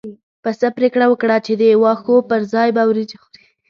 پسه پرېکړه وکړه چې د واښو پر ځای به وريجې خوري.